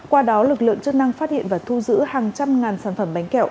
qua đó lực lượng chức năng phát hiện và thu giữ hàng trăm ngàn sản phẩm bánh kẹo